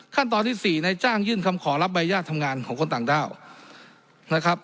ขั้นตอนที่๔นายจ้างยื่นคำขอรับใบญาติทำงานของคนต่างด้าวนะครับ